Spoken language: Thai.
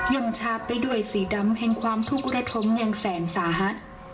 ยังชาบไปด้วยสีดำแห่งความทุกข์ระทมอย่างแสนสาหัส